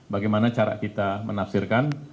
bagaimana cara kita menafsirkan